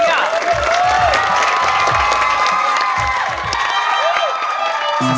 อะไรกัน